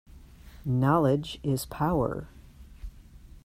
Knowledge is power.